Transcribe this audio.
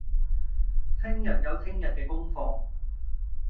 聽日有聽日嘅功課